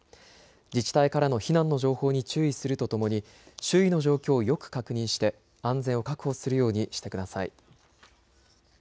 自治体からの避難の情報に注意するとともに周囲の状況をよく確認して安全を確保するようにしてください。